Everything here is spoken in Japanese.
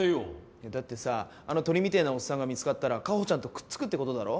いやだってさあの鳥みてぇなおっさんが見つかったら果帆ちゃんとくっつくってことだろ？